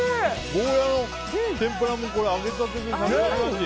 ゴーヤの天ぷらも揚げたてでサクサクだし。